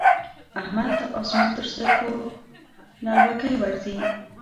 احمد ته اسمان تر سترګو نعلبکی ورځي.